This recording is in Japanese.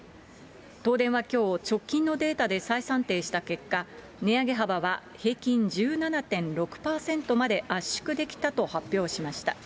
東電はきょう、直近のデータで再算定した結果、値上げ幅は平均１７．６％まで圧縮できたと発表しました。